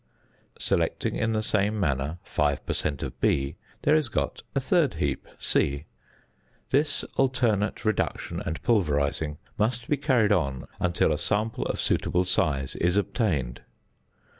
Selecting in the same manner 5 per cent. of B, there is got a third heap, C. This alternate reduction and pulverising must be carried on until a sample of suitable size is obtained.